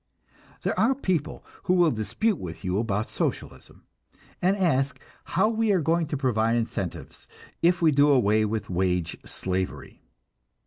There are people who will dispute with you about Socialism, and ask, how we are going to provide incentives if we do away with wage slavery.